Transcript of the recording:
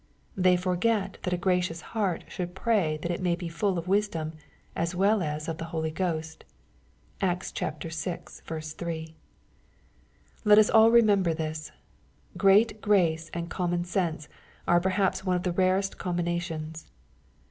They forget that a gracious heart should pray that it may be full of wisdom, as weU as of the Holy Ghost. (Acts vi. 8.) Let us all remember this. Great grace and common sense are perhaps one of the rarest combinations.